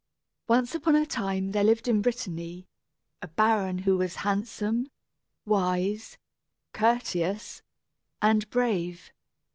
_) Once upon a time there lived in Brittany a baron who was handsome, wise, courteous, and brave.